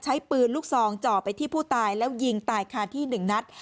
ใช้ปืนลูกซองจ่อไปที่ผู้ตายแล้วยิงตายคาที่หนึ่งนัด